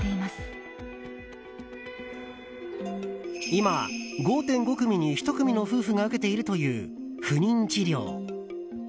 今、５．５組に１組の夫婦が受けているという不妊治療。